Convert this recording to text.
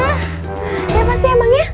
siapa sih emangnya